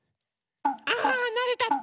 あなれたって。